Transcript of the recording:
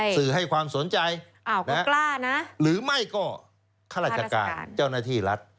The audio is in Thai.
สื่อให้ความสนใจกล้านะหรือไม่ก็ข้าราชการเจ้าหน้าที่รัฐ